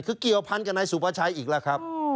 คือเกี่ยวพันธุ์กับนายสุประชัยอีกล่ะครับ